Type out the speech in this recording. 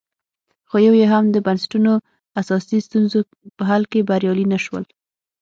خو یو یې هم د بنسټونو اساسي ستونزو په حل کې بریالي نه شول